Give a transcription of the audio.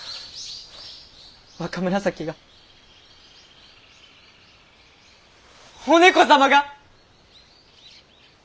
若紫がお猫様が！